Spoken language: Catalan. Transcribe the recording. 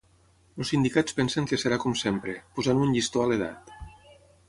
Els sindicats pensen que serà com sempre, posant un llistó a l’edat.